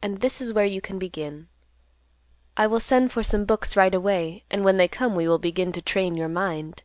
And this is where you can begin. I will send for some books right away, and when they come we will begin to train your mind."